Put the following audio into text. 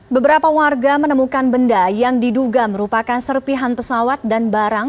beberapa warga menemukan benda yang diduga merupakan serpihan pesawat dan barang